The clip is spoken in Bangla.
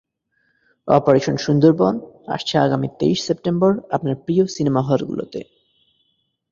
অপারেশন সুন্দরবন আসছে আগামী তেইশ সেপ্টেম্বর আপনার প্রিয় সিনেমা হলগুলোতে।